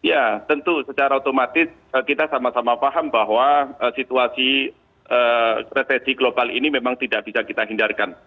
ya tentu secara otomatis kita sama sama paham bahwa situasi resesi global ini memang tidak bisa kita hindarkan